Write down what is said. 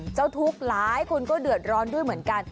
เจ้าทุกข์หลายคนก็เดือดร้อนด้วยเหมือนกัน